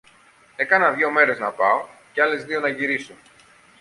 Έκανα δυο μέρες να πάω, και άλλες δυο να γυρίσω.